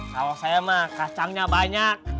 kalau saya mah kacangnya banyak